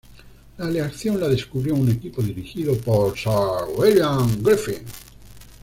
La aleación la descubrió un equipo dirigido por Sir William Griffith.